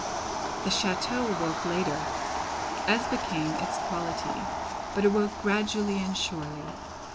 The chateau awoke later, as became its quality, but awoke gradually and surely.